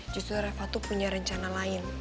justru reva tuh punya rencana lain